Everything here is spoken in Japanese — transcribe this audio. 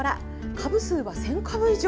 株数は１０００株以上。